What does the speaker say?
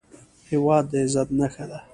هېواد د عزت نښه ده